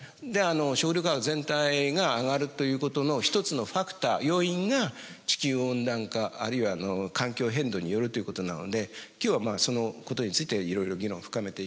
食料価格全体が上がるということの一つのファクター要因が地球温暖化あるいは環境変動によるということなので今日はそのことについていろいろ議論を深めていけたらなと思っています。